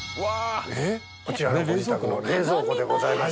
こちらのご自宅の冷蔵庫でございます。